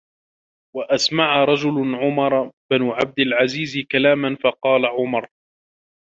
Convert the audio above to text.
وَأَسْمَعَ رَجُلٌ عُمَرَ بْنَ عَبْدِ الْعَزِيزِ كَلَامًا فَقَالَ عُمَرُ